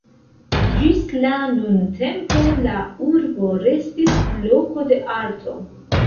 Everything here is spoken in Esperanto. Ĝis la nuntempo la urbo restis loko de arto.